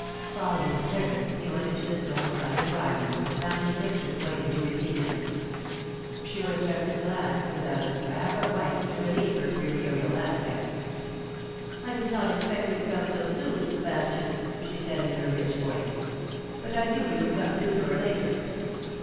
Following the servant, he went into the stone coloured drawing room, and found his sister waiting to receive him. She was dressed in black, without a scrap of white to relieve her funereal aspect. "I did not expect you to come so soon, Sebastian," she said, in her rich, low voice. "But I knew you would come sooner or later."